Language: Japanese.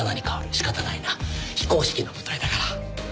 仕方ないな非公式の部隊だから。